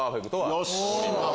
よし！